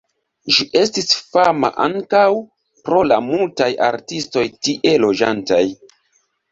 Ĝi estis fama ankaŭ pro la multaj artistoj tie loĝantaj.